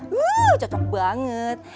wuh cocok banget